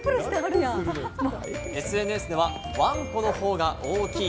ＳＮＳではわんこの方が大きい！